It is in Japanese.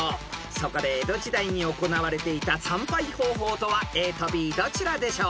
［そこで江戸時代に行われていた参拝方法とはＡとＢどちらでしょう？］